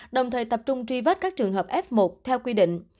đồng thời tập trung truy vết các trường hợp f một theo quy định